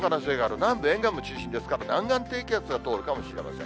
南部沿岸部中心ですから、南岸低気圧が通るかもしれません。